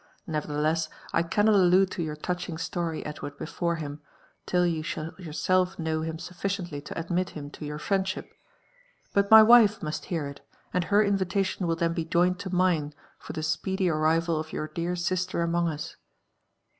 Nevertheless, I cannot allude to your touching story, Edward, before him, till you shall yourself know him sufficiently to admithim to your friendship : but my wife must hear it, and her invitation will then be joined to mine for the speedy arrival of your dear sister among us.